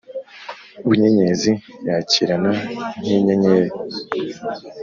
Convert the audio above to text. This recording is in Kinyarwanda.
Bunyenyezi yakirana nk'inyenyeri